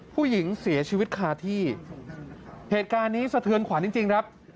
ผู้หญิงเสียชีวิตคาที่เหตุการณ์นี้สะเทือนขวัญจริงจริงครับ